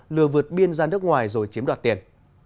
lừa vượt biên ra nước ngoài rồi chiếm đoạt tiền